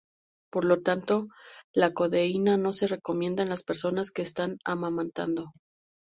Por lo tanto, la codeína no se recomienda en las personas que están amamantando.